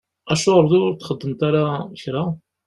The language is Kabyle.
Acuɣeṛ ur txeddmeḍ ara kra?